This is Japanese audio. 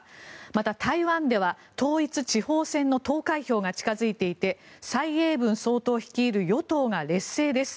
また、台湾では統一地方選の投開票が近付いていて蔡英文総統率いる与党が劣勢です。